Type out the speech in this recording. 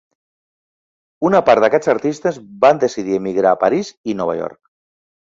Una part d'aquests artistes van decidir emigrar a París i Nova York.